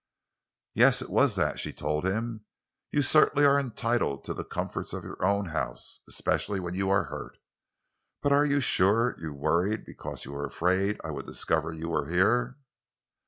"Yes—it was that," she told him. "You certainly are entitled to the comforts of your own house—especially when you are hurt. But are you sure you worried because you were afraid I would discover you were here?"